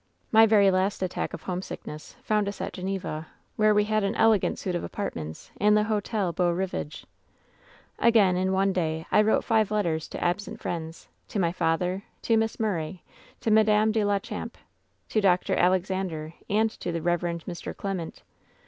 "My very last attack of homesickness found us at *^ Geneva, where we had an elegant suit of apartments in the Hotel Beau Rivage. "Again in one day I wrote five letters to absent friends — ^to my father, to Miss Murray, to Madame do la Champe, to Dr. Alexander, and to the Rev. Mr. Clement.